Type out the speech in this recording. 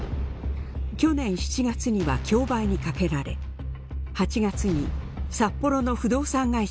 去年７月には競売にかけられ８月に札幌の不動産会社が落札。